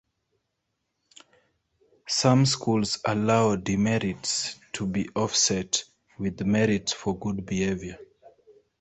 Some schools allow demerits to be offset with merits for good behavior.